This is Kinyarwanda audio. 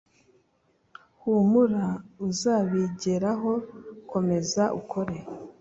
humura uzbijyeraho komeza ukore